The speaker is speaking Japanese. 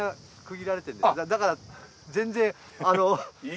だから全然。